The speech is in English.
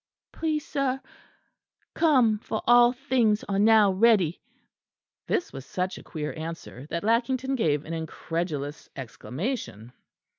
"Please, sir, 'Come, for all things are now ready.'" This was such a queer answer that Lackington gave an incredulous exclamation.